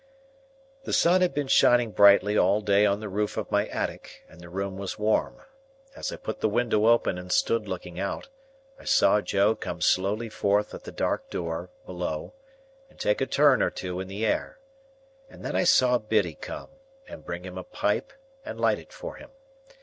The sun had been shining brightly all day on the roof of my attic, and the room was warm. As I put the window open and stood looking out, I saw Joe come slowly forth at the dark door, below, and take a turn or two in the air; and then I saw Biddy come, and bring him a pipe and light it for him.